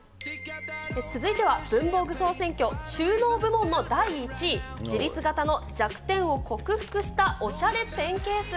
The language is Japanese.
続いては文房具総選挙収納部門の第１位、自立形の弱点を克服したおしゃれペンケース。